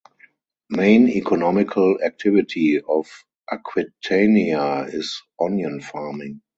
Main economical activity of Aquitania is onion farming.